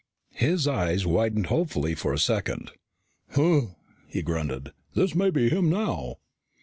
His eyes widened hopefully for a second. "Humph," he grunted, "this may be him now!"